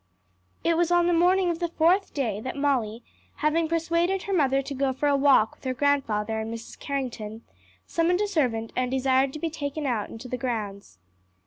It was on the morning of the fourth day that Molly, having persuaded her mother to go for a walk with her grandfather and Mrs. Carrington, summoned a servant and desired to be taken out into the grounds.